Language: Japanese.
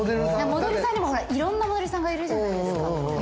モデルさんにも、ほら、いろんなモデルさんがいるじゃないですか。